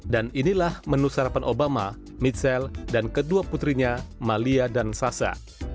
dan inilah menu sarapan obama michelle dan kedua putrinya malia dan sasha